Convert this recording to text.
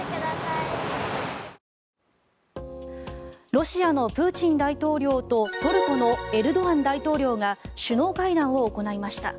ロシアのプーチン大統領とトルコのエルドアン大統領が首脳会談を行いました。